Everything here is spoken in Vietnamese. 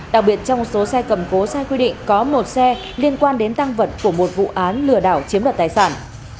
đặc biệt trong số xe cầm cố sai quy định có một xe liên quan đến tăng vật của một vụ án lừa đảo chiếm đoạt tài sản